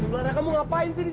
nanti aku kusap di situ